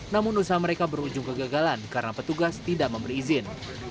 namun usaha mereka berujung kegagalan karena petugas tidak memberi izin